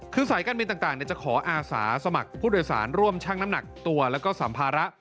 คือสายการบินต่างจะขออาสาสมัครผู้โดยสารร่วมชั่งน้ำหนักตัวแล้วก็สัมภาระ